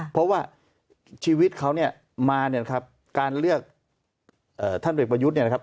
เพราะว่าชีวิตเขาเนี่ยมาเนี่ยนะครับการเลือกท่านเด็กประยุทธ์เนี่ยนะครับ